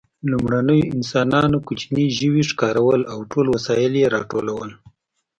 لومړنیو انسانانو کوچني ژوي ښکارول او ټول وسایل یې راټولول.